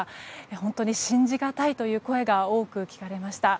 本当に信じがたいという声が多く聞かれました。